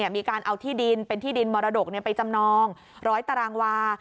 มีการเอาที่ดินเป็นที่ดินมรดกไปจำนอง๑๐๐ตารางวา